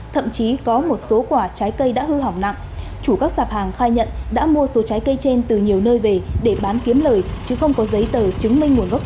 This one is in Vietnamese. thậm chí có một số quả trái cây đã hư hỏng nặng chủ các sạp hàng khai nhận đã mua số trái cây trên từ nhiều nơi về để bán kiếm lời chứ không có giấy tờ chứng minh nguồn gốc